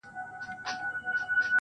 ستا خو د سونډو د خندا خبر په لپه كي وي~